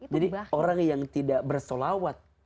jadi orang yang tidak bersholawat